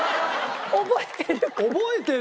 覚えてる？